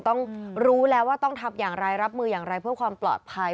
ต้องรู้แล้วว่าต้องทำอย่างไรรับมืออย่างไรเพื่อความปลอดภัย